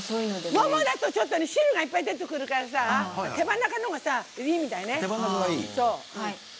ももだと汁がいっぱい出てくるから手羽中のほうがいいみたいね。